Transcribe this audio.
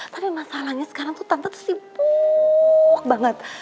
tapi masalahnya sekarang tuh tante tuh sibuuuuuuuk banget